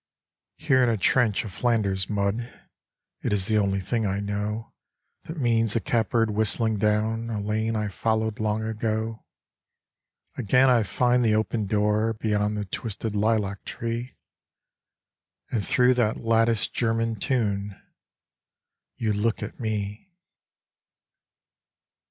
Here in a trench of Flanders mud It is the only thing I know That means a catbird whistling down A lane I followed long ago. Again I find the open door Beyond the twisted lilac tree, And through that latticed German tune You look at me.